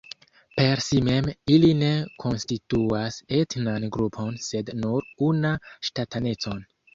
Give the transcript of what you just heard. Per si mem ili ne konstituas etnan grupon sed nur una ŝtatanecon.